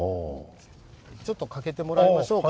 ちょっと掛けてもらいましょうか。